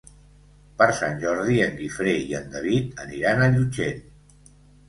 Per Sant Jordi en Guifré i en David aniran a Llutxent.